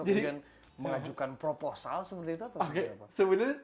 mungkin mengajukan proposal seperti itu atau seperti apa